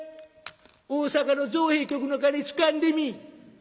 「大坂の造幣局の金つかんでみ？